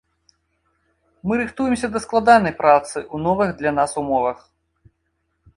Мы рыхтуемся да складанай працы ў новых для нас умовах.